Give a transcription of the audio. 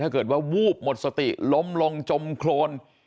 ถ้าเกิดว่าวูบหมดสติล้มลงจมโครน